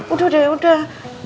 udah deh udah